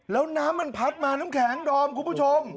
แล้วน้ำมันพัดมาน้ำแข็งดอมคุณผู้ชม